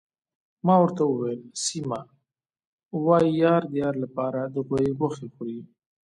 ما ورته وویل: سیمه، وايي یار د یار لپاره د غوايي غوښې خوري.